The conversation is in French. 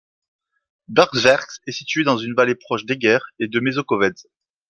Bükkzsérc est situé dans une vallée proche d'Eger et de Mezőkövesd.